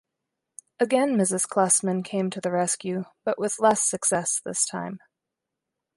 Again Mrs Klussmann came to the rescue, but with less success this time.